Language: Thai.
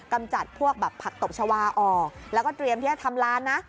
กำจัดพวกแบบผักตบชาวาออกแล้วก็เตรียมที่จะทำร้านนะ